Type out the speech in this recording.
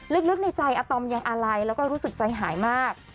ลึกในใจอาตอมยังอาลัยแล้วก็รู้สึกใจหายมาก